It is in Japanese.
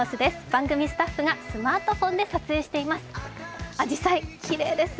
番組スタッフがスマートフォンで撮影しています。